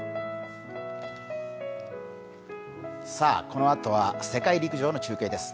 このあとは世界陸上の中継です。